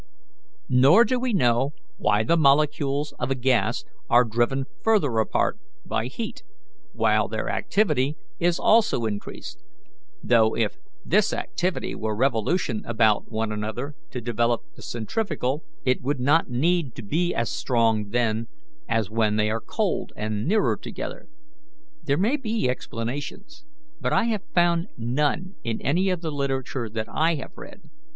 Nor do we know why the molecules of a gas are driven farther apart by heat, while their activity is also increased, though if this activity were revolution about one another to develop the centrifugal, it would not need to be as strong then as when they are cold and nearer together. There may be explanations, but I have found none in any of the literature I have read.